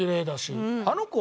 あの子